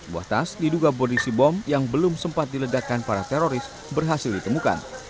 buah tas diduga polisi bom yang belum sempat diledakkan para teroris berhasil ditemukan